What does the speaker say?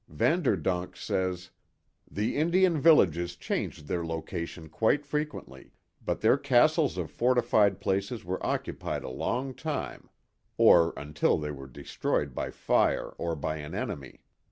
Vanderdonk says: " The Indian villages changed their location quite frequently; but their castles or fortified places were occupied a longtime," or until they were destroyed by fire or by an enemy.